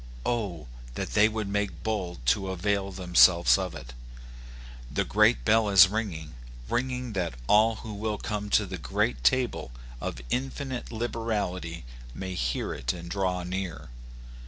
Oh, that they would make bold to avail themselves of it! The great bell is ringing, ringing that all who will to come to the great table of infinite liberality may hear it and draw near.